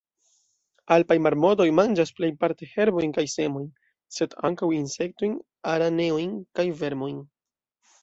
Alpaj marmotoj manĝas plejparte herbojn kaj semojn, sed ankaŭ insektojn, araneojn kaj vermojn.